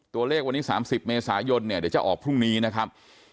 ตัวเลขวันนี้๓๐เมษายนเนี่ยเดี๋ยวจะออกพรุ่งนี้นะครับ